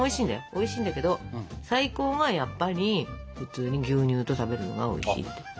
おいしいんだけど最高はやっぱり普通に牛乳と食べるのがおいしいんだって。